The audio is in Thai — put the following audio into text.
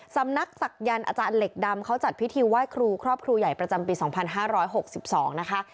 สำนักศักยันต์อาจารย์เหล็กดำเขาจัดพิธีไหว้ครูครอบครูใหญ่ประจำปี๒๕๖๒นะคะ